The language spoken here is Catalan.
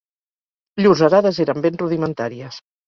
Llurs arades eren ben rudimentàries